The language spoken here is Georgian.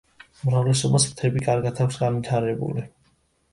უმრავლესობას ფრთები კარგად აქვს განვითარებული.